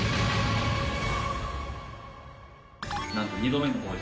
なんと、２度目の登場。